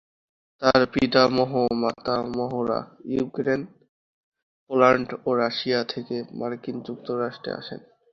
তার পিতামহ-মাতামহরা Ukraine, Poland ও রাশিয়া থেকে মার্কিন যুক্তরাষ্ট্রে আসেন।